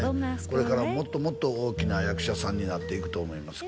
これからもっともっと大きな役者さんになっていくと思います